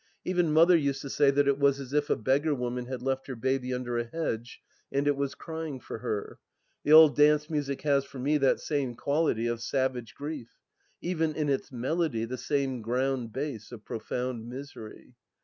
Even Mother used to say that it was as if a beggar woman had left her baby imder a hedge and it was crying for her. The old dance music has for me that same quality of savage grief ; even in its melody the same ground bass of profound misery.